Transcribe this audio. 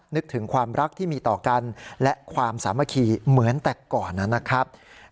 นึกถึงความรักที่มีต่อกันและความสามัคคีเหมือนแต่ก่อนนะครับ